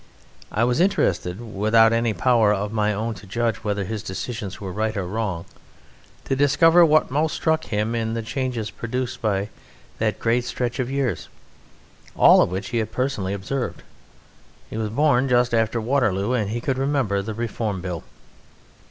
I was interested (without any power of my own to judge whether his decisions were right or wrong) to discover what most struck him in the changes produced by that great stretch of years, all of which he had personally observed: he was born just after Waterloo, and he could remember the Reform Bill.